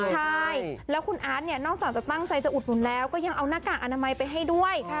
ใช่แล้วคุณอาร์ตเนี่ยนอกจากจะตั้งใจจะอุดหนุนแล้วก็ยังเอาหน้ากากอนามัยไปให้ด้วย